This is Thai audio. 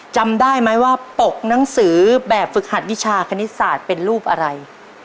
จำได้ไหมว่าปกหนังสือแบบฝึกหัดวิชาคณิตศาสตร์เป็นรูปอะไร